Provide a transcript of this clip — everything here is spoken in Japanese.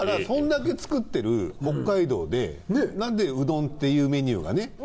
そんだけ作ってる北海道で何でうどんっていうメニューがね